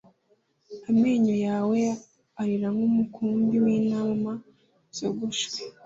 Amenyo yawe arera nk’umukumbi w’intama zogoshwe,